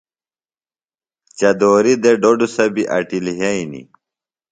چدُورہ دےۡ ڈوۡڈُسہ بیۡ اٹیۡ لِھئینیۡ۔